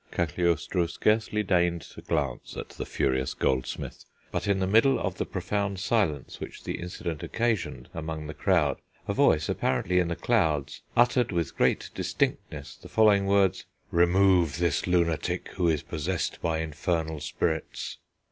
"Cagliostro scarcely deigned to glance at the furious goldsmith; but in the middle of the profound silence which the incident occasioned among the crowd, a voice, apparently in the clouds, uttered with great distinctness the following words: 'Remove this lunatic, who is possessed by infernal spirits.'